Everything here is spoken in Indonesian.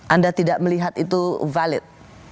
anda tidak melihat itu valid